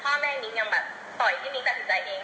คือพ่อแม่มิ้งยังปล่อยที่มิ้งตัดสินใจเอง